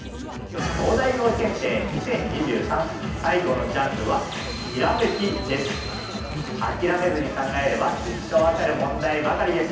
東大王検定２０２３最後のジャンルはひらめきです諦めずに考えればきっと分かる問題ばかりです